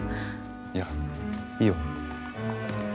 いやいいよ。